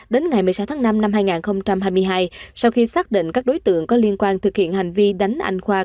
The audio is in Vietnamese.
đến ngày một mươi sáu tháng năm năm hai nghìn hai mươi hai sau khi xác định các đối tượng có liên quan thực hiện hành vi đánh anh khoa